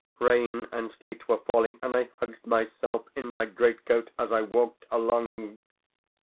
Rain and sleet were falling, and I hugged myself in my greatcoat as I walked along.